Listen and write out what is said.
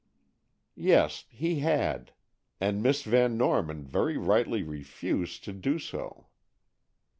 "Yes, he had. And Miss Van Norman very rightly refused to do so."